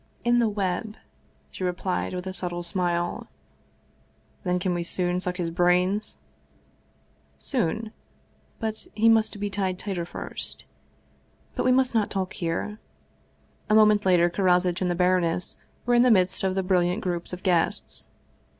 " In the web/' she replied, with a subtle smile. " Then we can soon suck his brains ?"" Soon but he must be tied tighter first. But we must not talk here." A moment later Karozitch and the bar oness were in the midst of the brilliant groups of guests.